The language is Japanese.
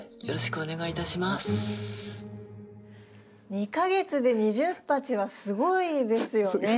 ２か月で２０鉢はすごいですよね？